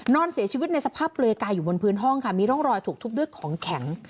นอนเสียชีวิตในสภาพเปลือยกายอยู่บนพื้นห้องค่ะมีร่องรอยถูกทุบด้วยของแข็ง